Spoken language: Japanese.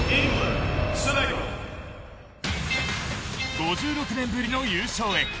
５６年ぶりの優勝へ。